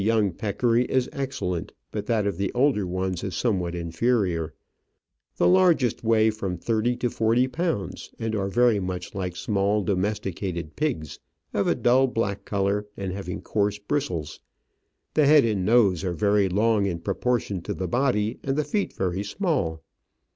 young peccary is excellent, but that of the older ones is somewhat inferior ; the largest weigh from thirty to forty pounds, and are very much like small domesti cated pigs, of a dull black colour and having coarse bristles ; the head and nose are very long in propor tion to the body, and the feet very small.